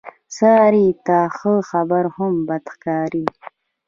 سارې ته ښه خبره هم بده ښکاري.